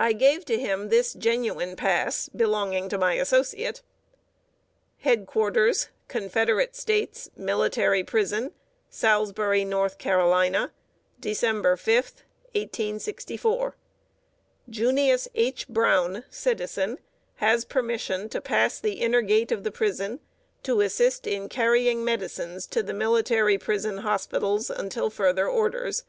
I gave to him this genuine pass belonging to my associate: HEAD QUARTERS CONFEDERATE STATES MILITARY PRISON, } SALISBURY, N. C., December 5, 1864. } Junius H. Browne, Citizen, has permission to pass the inner gate of the Prison, to assist in carrying medicines to the Military Prison Hospitals, until further orders.